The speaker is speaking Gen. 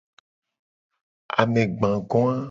Amegbagoa.